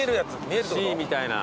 Ｃみたいな。